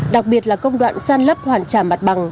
đặc biệt là công đoạn san lấp hoàn trả mặt bằng